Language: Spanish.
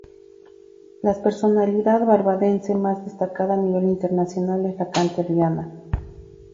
La personalidad barbadense más destacada a nivel internacional es la cantante Rihanna.